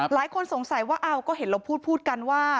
หลายคนสงสัยว่าอ้าวก็เห็นเราพูดกันว่า